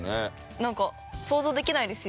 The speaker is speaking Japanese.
なんか想像できないですよね。